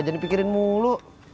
kamu mengingat papa